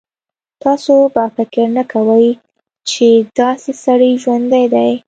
تاسو به فکر نه کوئ چې داسې سړی ژوندی دی.